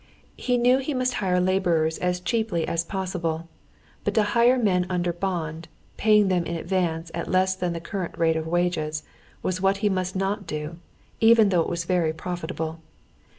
He knew he must hire laborers as cheaply as possible; but to hire men under bond, paying them in advance at less than the current rate of wages, was what he must not do, even though it was very profitable.